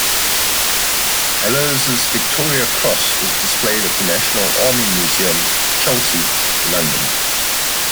Hallowes' Victoria Cross is displayed at the National Army Museum, Chelsea, London.